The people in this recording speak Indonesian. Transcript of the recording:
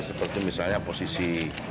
seperti misalnya posisi